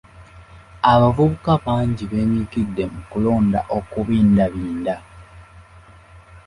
Abavubuka bangi beenyigidde mu kulonda okubindabinda.